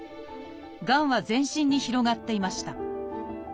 がんは全身に広がっていました